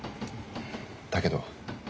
だけど。